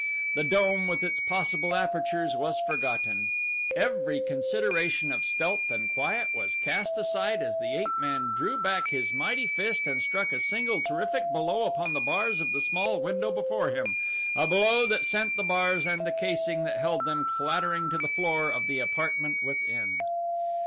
The dome with its possible apertures was forgotten. Every consideration of stealth and quiet was cast aside as the ape man drew back his mighty fist and struck a single terrific blow upon the bars of the small window before him, a blow that sent the bars and the casing that held them clattering to the floor of the apartment within.